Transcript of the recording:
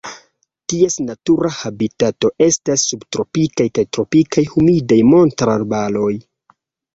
Ties natura habitato estas subtropikaj kaj tropikaj humidaj montararbaroj.